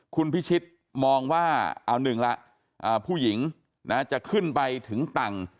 คุณพิชิตมองว่าเอาหนึ่งละผู้หญิงจะขึ้นไปถึงต่าง